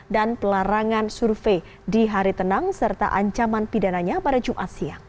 dan pelarangan survei di hari tenang serta ancaman pidananya pada jumat siang